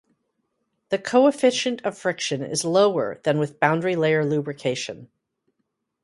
The coefficient of friction is lower than with boundary-layer lubrication.